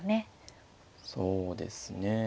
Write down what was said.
そうですね。